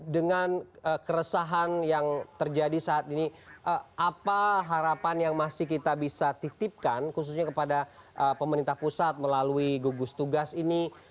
dengan keresahan yang terjadi saat ini apa harapan yang masih kita bisa titipkan khususnya kepada pemerintah pusat melalui gugus tugas ini